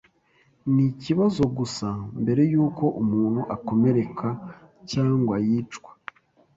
Ni ikibazo gusa mbere yuko umuntu akomereka cyangwa yicwa.